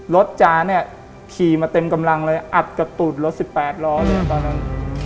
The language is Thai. จ๊าเนี่ยขี่มาเต็มกำลังเลยอัดกับตูดรถ๑๘ล้อเลยตอนนั้น